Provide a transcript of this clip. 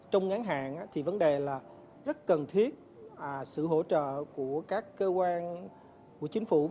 trong ngắn hạn thì vấn đề là rất cần thiết sự hỗ trợ của các cơ quan của chính phủ